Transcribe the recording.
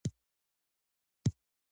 که سیرت ولولو نو اخلاق نه خرابیږي.